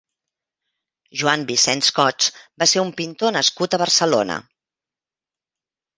Joan Vicens Cots va ser un pintor nascut a Barcelona.